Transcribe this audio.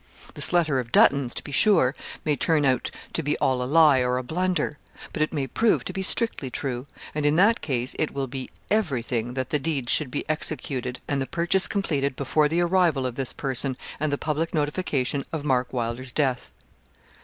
This letter of Dutton's, to be sure, may turn out to be all a lie or a blunder. But it may prove to be strictly true; and in that case it will be every thing that the deeds should be executed and the purchase completed before the arrival of this person, and the public notification of Mark Wylder's death.